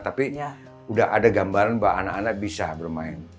tapi udah ada gambaran bahwa anak anak bisa bermain